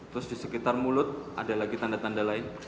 terus di sekitar mulut ada lagi tanda tanda lain